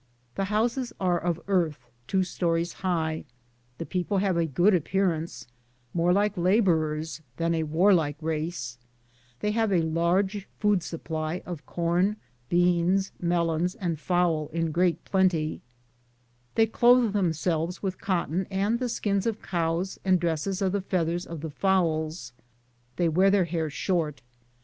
The houses are of earth, two stories high; the people have a good appearance, more like laborers than a warlike race ; they have a large food supply of com, beans, melons, and fowl in great plenty ; they clothe themselves with cotton and the skins of cows and dresses of the feathers of the fowls ; they wear their hair short.